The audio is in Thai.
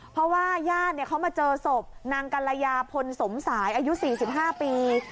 เพราะว่าญาติเขามาเจอศพนางกัลยาพลสมสายอายุ๔๕ปี